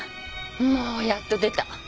もうやっと出た。